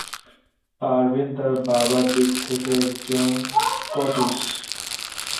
Ervine তার বাবার দিক থেকে একজন স্কটিশ।